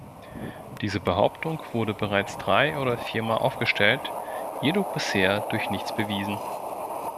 Diese Behauptung wurde bereits drei oder vier Mal aufgestellt, jedoch bisher durch nichts bewiesen.